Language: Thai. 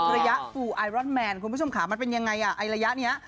ระยะฟูไอรอนแมนคุณผู้ชมค่ะมันเป็นยังไงอ่ะไอระยะนี้